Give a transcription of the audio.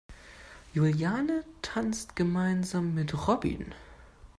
Juliane tanzt gemeinsam mit Robin.